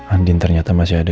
andin ternyata masih ada